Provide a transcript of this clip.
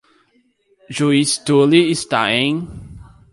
Juiz Tully está em.